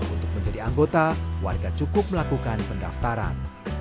untuk menjadi anggota warga cukup melakukan pendaftaran